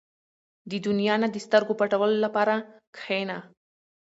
• د دنیا نه د سترګو پټولو لپاره کښېنه.